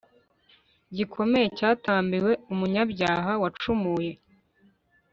gikomeye cyatambiwe umunyabyaha wacumuye